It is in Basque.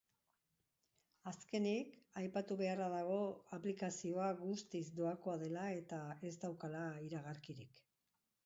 Azkenik, aipatu beharra dago aplikazioa guztiz doakoa dela eta ez daukala iragarkirik.